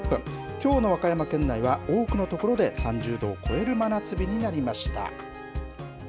きょうの和歌山県内は、多くの所で３０度を超える真夏日になりました。